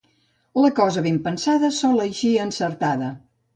La cosa ben pensada sol eixir encertada.